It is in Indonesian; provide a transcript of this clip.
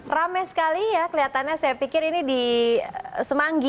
rame sekali ya kelihatannya saya pikir ini di semanggi